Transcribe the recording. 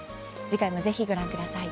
次回も、ぜひご覧ください。